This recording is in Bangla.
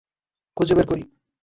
খুঁজে বের করি।